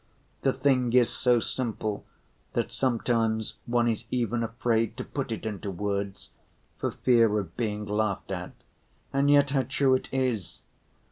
The thing is so simple that sometimes one is even afraid to put it into words, for fear of being laughed at, and yet how true it is!